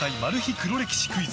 黒歴史クイズ